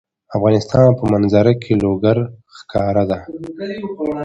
د افغانستان په منظره کې لوگر ښکاره ده.